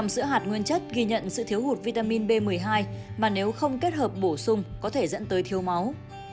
sữa hạt nguyên chất ghi nhận sự thiếu hụt vitamin b một mươi hai mà nếu không kết hợp bổ sung có thể dẫn tới thiếu máu